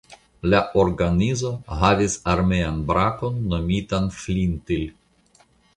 La organizo havis armean brakon nomitan Flintil.